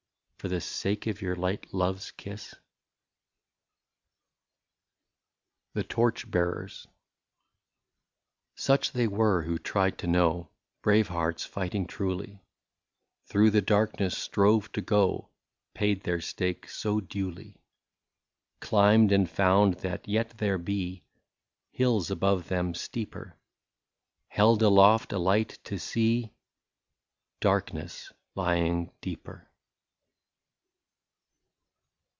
For the sake of your light love's kiss ?" 122 THE TORCH BEARERS. Such they were who tried to know, Brave hearts fighting truly, Through the darkness strove to go, Paid their stake so duly ; Climbed, and found that yet there be Hills above them steeper ; Held aloft a light, to see Darkness lying deeper.